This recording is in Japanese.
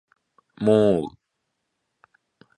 もーう